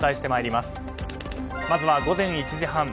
まずは午前１時半。